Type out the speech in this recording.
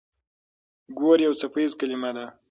ګور يو څپيز کلمه ده.